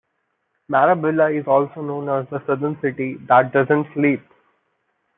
Marabella is also known as the southern city that doesn't sleep.